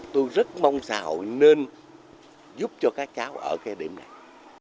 tôi rất mong xã hội nên giúp cho các cháu ở cái điểm này